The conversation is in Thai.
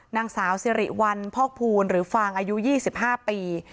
นางสาวสิริวัลพอกภูลหรือฟางอายุ๒๕ปี